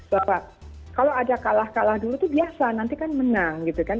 bapak kalau ada kalah kalah dulu itu biasa nanti kan menang gitu kan